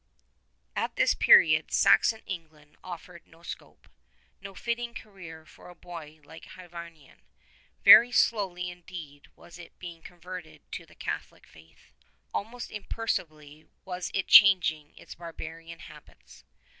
At this period Saxon England offered no scope, no fitting career for a boy like Hyvarnion. Very slowly indeed was it being converted to the Catholic faith ; almost imperceptibly was it changing its barbarian habits.